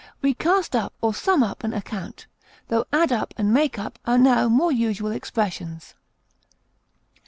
We cast up or sum up an account, though add up and make up are now more usual expressions.